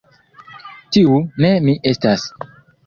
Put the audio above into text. Tiu ne mi estas!